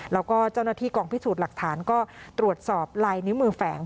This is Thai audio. แล้วก็เจ้าหน้าที่กองพิสูจน์หลักฐานก็ตรวจสอบลายนิ้วมือแฝง